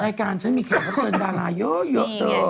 รายการเรามีคอยดาราเยอะเยอะเจอ